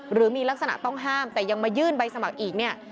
หรือมีลักษณะต้องห้ามแต่ยังมายื่นใบสมัครอีกเนี่ย